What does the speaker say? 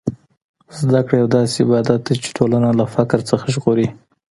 زده کړه یو داسې عبادت دی چې ټولنه له فقر څخه ژغوري.